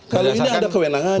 kalau ini ada kewenangan